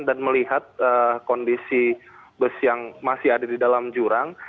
dan melihat kondisi bus yang masih ada di dalam jurang